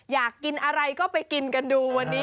อยากกินอะไรก็ไปกินกันดูวันนี้